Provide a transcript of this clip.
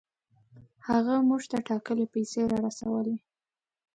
هغه موږ ته ټاکلې پیسې را رسولې.